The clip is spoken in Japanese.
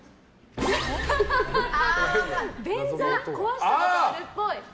便座、壊したことあるっぽい。